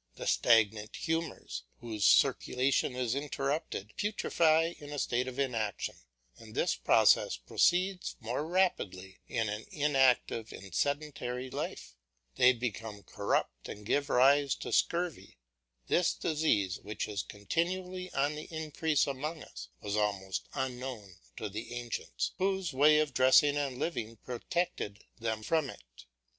The stagnant humours, whose circulation is interrupted, putrify in a state of inaction, and this process proceeds more rapidly in an inactive and sedentary life; they become corrupt and give rise to scurvy; this disease, which is continually on the increase among us, was almost unknown to the ancients, whose way of dressing and living protected them from it.